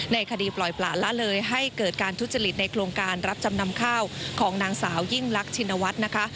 คดีปล่อยปละละเลยให้เกิดการทุจริตในโครงการรับจำนำข้าวของนางสาวยิ่งลักชินวัฒน์นะคะ